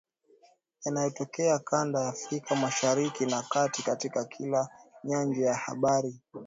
Yanayotokea kanda ya Afrika Mashariki na Kati, katika kila nyanja ya habari